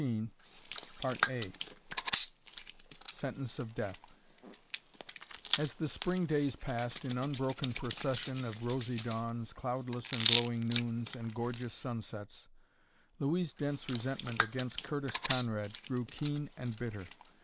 CHAPTER XVII SENTENCE OF DEATH As the Spring days passed, in unbroken procession of rosy dawns, cloudless and glowing noons, and gorgeous sunsets, Louise Dent's resentment against Curtis Conrad grew keen and bitter.